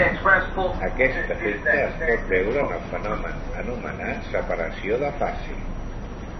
Aquest efecte es pot veure en el fenomen anomenat separació de fase.